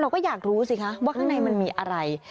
เราก็อยากรู้สิคะว่าข้างในมันมีอะไร